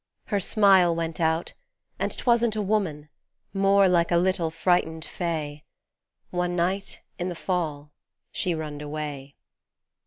Her smile went out, and 'twasn't a woman More like a little frightened fay. One night, in the Fall, she runned away.